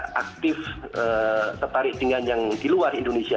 kita aktif tertarik dengan yang di luar indonesia